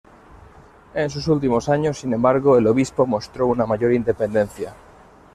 En sus últimos años, sin embargo, el obispo mostró una mayor independencia.